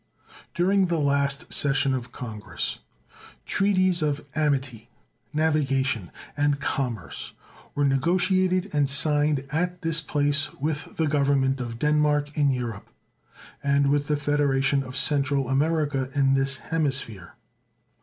During the last session of Congress treaties of amity, navigation, and commerce were negotiated and signed at this place with the Government of Denmark, in Europe, and with the Federation of Central America, in this hemisphere.